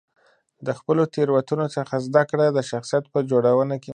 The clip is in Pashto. د خپلو تېروتنو څخه زده کړه د شخصیت په جوړونه کې مرسته کوي.